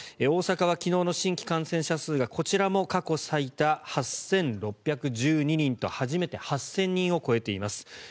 大阪は昨日の新規感染者数がこちらも過去最多８６１２人と初めて８０００人を超えています。